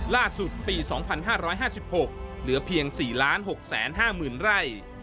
ล่าสุดปีสองพันห้าร้อยห้าสิบหกเหลือเพียงสี่ล้านหกแสนห้าหมื่นไร่